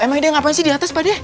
emang dia ngapain sih di atas pak dia